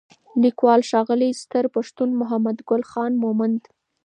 لیکوال: ښاغلی ستر پښتون محمدګل خان مومند